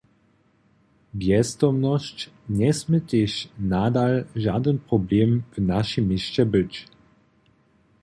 Bjezdomnosć njesmě tež nadal žadyn problem w našim měsće być.